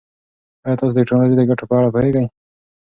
ایا تاسو د ټکنالوژۍ د ګټو په اړه پوهېږئ؟